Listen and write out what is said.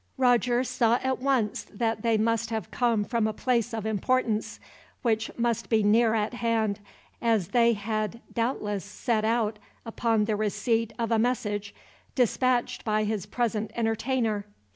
Roger saw at once that they must have come from a place of importance; which must be near at hand, as they had doubtless set out upon the receipt of a message, dispatched by his present entertainer.